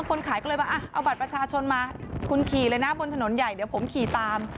คนขายก็เลยมาเอาบัตรประชาชนมาคุณขี่เลยนะบนถนนใหญ่เดี๋ยวผมขี่ตาม